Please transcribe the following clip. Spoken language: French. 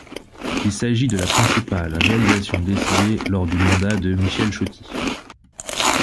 Il s'agit de la principale réalisation décidée lors du mandat de Michel Chauty.